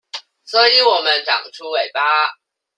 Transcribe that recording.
所以我們長出尾巴